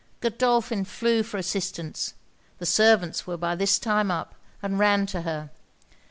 Godolphin flew for assistance. The servants were by this time up, and ran to her.